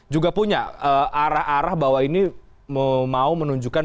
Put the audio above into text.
juga punya arah arah bahwa ini mau menunjukkan